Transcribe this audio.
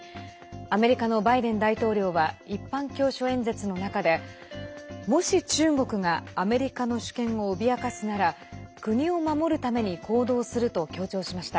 アメリカのバイデン大統領は一般教書演説の中でもし、中国がアメリカの主権を脅かすなら国を守るために行動すると強調しました。